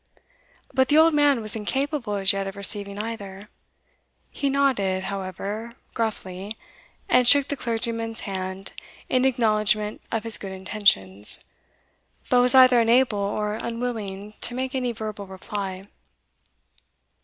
But the old man was incapable as yet of receiving either; he nodded, however, gruffly, and shook the clergyman's hand in acknowledgment of his good intentions, but was either unable or unwilling to make any verbal reply.